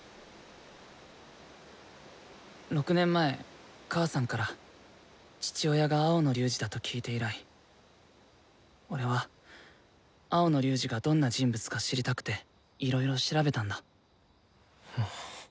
６年前母さんから父親が青野龍仁だと聞いて以来俺は青野龍仁がどんな人物か知りたくていろいろ調べたんだ。